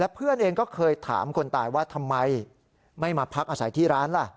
เพื่อนเองก็เคยถามคนตายว่าทำไมไม่มาพักอาศัยที่ร้านล่ะ